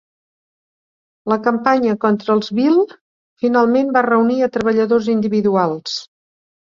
La campanya contra els Bill finalment va reunir a treballadors individuals.